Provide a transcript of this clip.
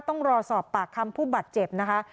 ต้องรอสอบปากคำผู้บาดเจ็บนะคะ